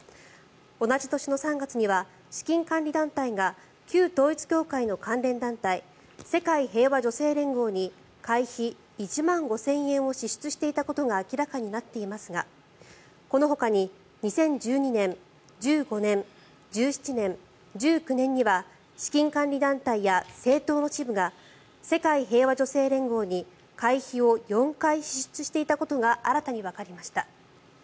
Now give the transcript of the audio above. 同じ年の３月には資金管理団体が旧統一教会の関連団体世界平和女性連合に会費１万５０００円を支出していたことが明らかになっていますがこのほかに２０１２年２０１５年、２０１７年２０１９年には資金管理団体や政党の支部が世界平和女性連合に会費を４回支出していたことが新たにわかりました。